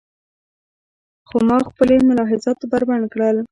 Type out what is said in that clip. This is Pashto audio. خو ما خپلې ملاحظات بربنډ کړل.